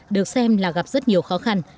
được xem là gặp rất nhiều khó khăn